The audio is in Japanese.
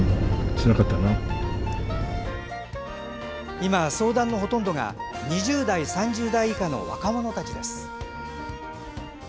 今、相談のほとんどが２０代、３０代以下の若者たちです。